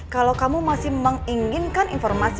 kalau kamu masih menginginkan informasi